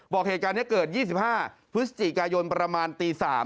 บอกเหตุการณ์นี้เกิด๒๕พฤศจิกายนประมาณตี๓